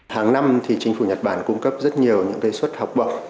hàng năm thì chính phủ nhật bản cung cấp rất nhiều những suất học bổng